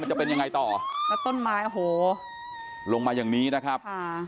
จะเป็นยังไงต่อแล้วต้นไม้โอ้โหลงมาอย่างนี้นะครับค่ะ